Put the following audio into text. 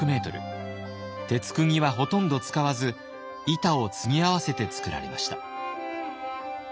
鉄くぎはほとんど使わず板を継ぎ合わせて造られました。